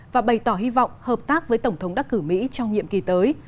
và bày tỏ hy vọng hợp tác với tổng thống đắc cử mỹ trong nhiệm kỳ tới